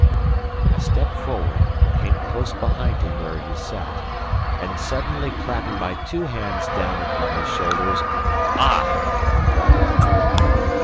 I stepped forward, came close behind him where he sat, and suddenly clapping my two hands down upon his shoulders "Ah!" cried I.